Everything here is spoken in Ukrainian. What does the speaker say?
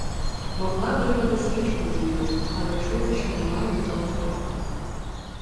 Могла вирвати свічку з її рук, але чула, що не має до того права.